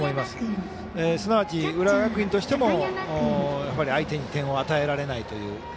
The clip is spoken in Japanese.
すなわち、浦和学院としても相手に点を与えられないという。